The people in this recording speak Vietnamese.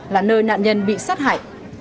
là nơi nạn nhân bị sát hại